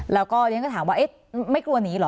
แล้วก็เรียนก็ถามว่าไม่กลัวหนีเหรอ